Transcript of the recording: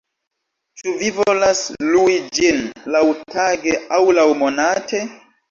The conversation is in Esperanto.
Ĉu vi volas lui ĝin laŭtage aŭ laŭmonate?